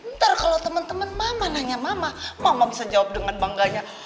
ntar kalau teman teman mama nanya mama mama bisa jawab dengan bangganya